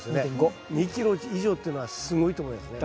２ｋｇ以上っていうのはすごいと思いますね。